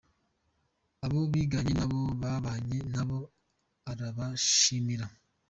Abo biganye nabo babanye nabo arabashimira.